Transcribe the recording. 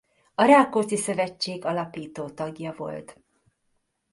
A Rákóczi Szövetség alapító tagja volt.